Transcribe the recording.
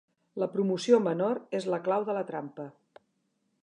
La promoció menor és la clau de la trampa.